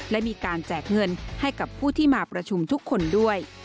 และมีการแจกเงินให้กับผู้ที่มาประชุมทุกคนด้วย